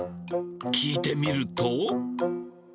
聞いてみると。